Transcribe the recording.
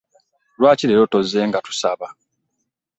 Lwaki leero toze nga tusaba?